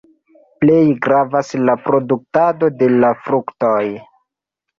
Plej gravas la produktado de la fruktoj.